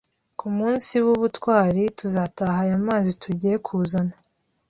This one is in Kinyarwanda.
Ku munsi bubutwari tuzataha aya mazi tugiye kuzana